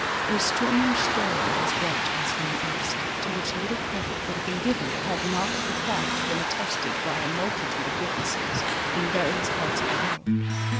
A strange story was brought to us from the East, to which little credit would have been given, had not the fact been attested by a multitude of witnesses, in various parts of the world.